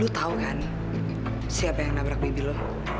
lu tahu kan siapa yang nabrak bibi lu